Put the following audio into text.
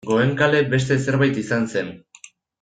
Goenkale beste zerbait izan zen.